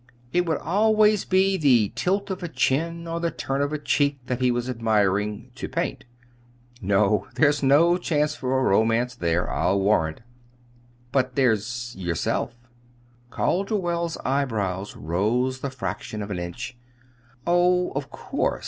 It would always be the tilt of a chin or the turn of a cheek that he was admiring to paint. No, there's no chance for a romance there, I'll warrant." "But there's yourself." Calderwell's eyebrows rose the fraction of an inch. "Oh, of course.